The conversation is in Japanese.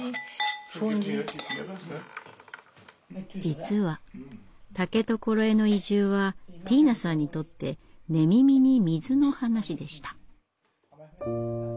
実は竹所への移住はティーナさんにとって寝耳に水の話でした。